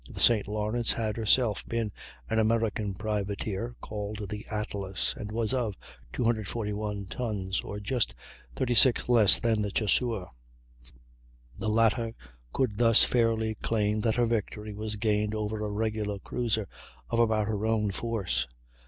The St. Lawrence had herself been an American privateer, called the Atlas, and was of 241 tons, or just 36 less than the Chasseur. The latter could thus fairly claim that her victory was gained over a regular cruiser of about her own force.